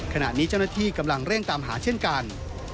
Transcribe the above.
ขณะนี้เจ้าหน้าที่กำลังเร่งตามหาเช่นกัน